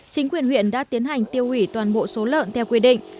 chính quyền huyện đã tiến hành tiêu hủy toàn bộ số lợn theo quy định